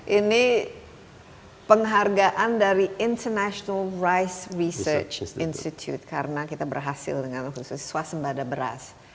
ini penghargaan dari international rice research institute karena kita berhasil dengan khusus swasembada beras